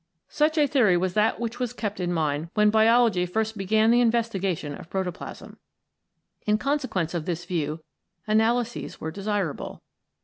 Such a theory was that which was kept in mind when Biology first began the investigation of protoplasm. In consequence of this view analyses were desirable.